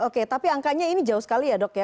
oke tapi angkanya ini jauh sekali ya dok ya